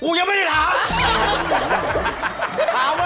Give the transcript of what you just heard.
ยังไม่ได้ถาม